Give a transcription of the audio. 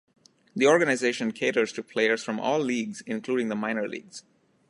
The organization caters to players from all leagues, including the minor leagues.